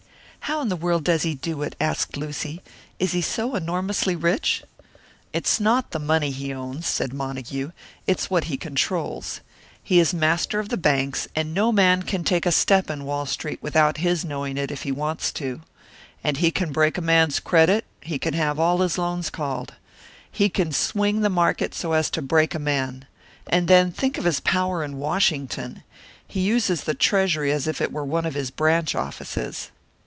"How in the world does he do it?" asked Lucy. "Is he so enormously rich?" "It is not the money he owns," said Montague; "it's what he controls. He is master of the banks; and no man can take a step in Wall Street without his knowing it if he wants to. And he can break a man's credit; he can have all his loans called. He can swing the market so as to break a man. And then, think of his power in Washington! He uses the Treasury as if it were one of his branch offices."